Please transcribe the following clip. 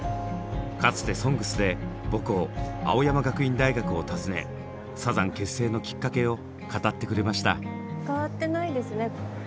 かつて「ＳＯＮＧＳ」で母校青山学院大学を訪ねサザン結成のきっかけを語ってくれました。